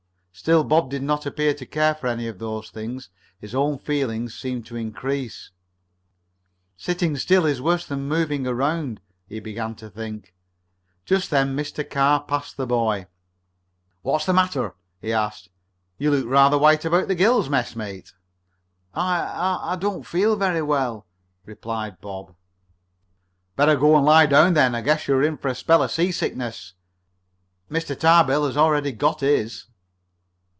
Still Bob did not appear to care for any of those things. His own feelings seemed to increase. "Sitting still is worse than moving around," he began to think. Just then Mr. Carr passed the boy. "What's the matter?" he asked. "You look rather white about the gills, messmate." "I I don't feel very well," replied Bob. "Better go and lie down then. I guess you're in for a spell of seasickness. Mr. Tarbill has already got his."